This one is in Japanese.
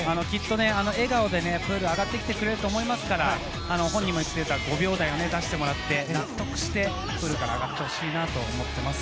笑顔でプールを上がってきてくれると思いますから、本人も言っていた５秒台を出してもらって納得してプールから上がってほしいと思います。